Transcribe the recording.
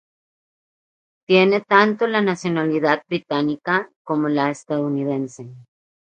Tiene tanto la nacionalidad británica como la estadounidense.